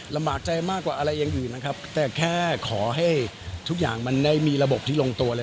ลำบากใจมากกว่าอะไรอย่างอื่นนะครับแต่แค่ขอให้ทุกอย่างมันได้มีระบบที่ลงตัวเลย